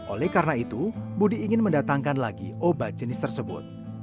oleh karena itu budi ingin mendatangkan lagi obat jenis tersebut